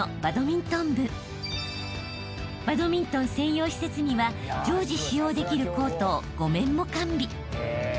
［バドミントン専用施設には常時使用できるコートを５面も完備］